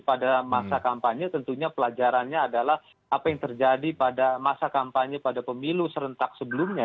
pada masa kampanye tentunya pelajarannya adalah apa yang terjadi pada masa kampanye pada pemilu serentak sebelumnya